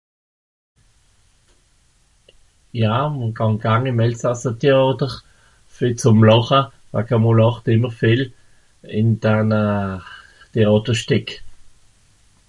Ja, ìch gàng garn ìm elsasser Téàter. Vìel zùm làcha, also mr làcht ìmmer vìel ìn danna Téàterstìck.